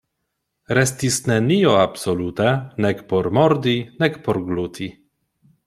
Restis nenio absolute, nek por mordi, nek por gluti.